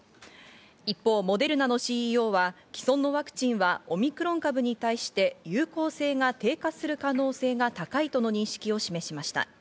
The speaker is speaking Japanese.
一方、モデルナのＣＥＯは既存のワクチンはオミクロン株に対して有効性が低下する可能性が高いとの認識を示しました。